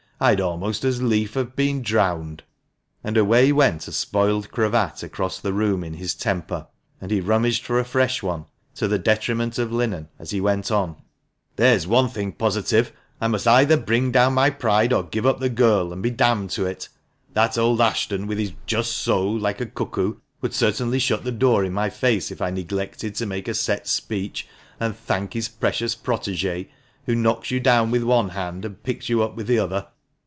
I'd almost as lief have been drowned." And away went a spoiled cravat across the room in his temper, and he rummaged for a fresh one, to the detriment of linen, as he went on — "There's one thing positive, I must either bring down my pride or give up the girl, and be d d to it! That old Ashton, with his 'Just so!' like a cuckoo, would certainly shut the door in my face if I neglected to make a set speech and thank his precious protege, who knocks you down with one hand and picks you up with the other.